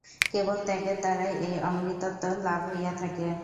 কেবল ত্যাগের দ্বারাই এই অমৃতত্ব লাভ হইয়া থাকে।